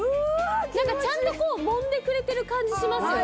何かちゃんともんでくれてる感じしますよね。